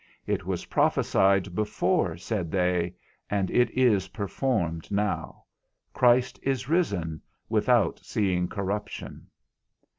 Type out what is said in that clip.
It was prophesied before, said they, and it is performed now, Christ is risen without seeing corruption.